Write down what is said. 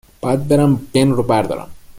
.باید برم بن رو بردارم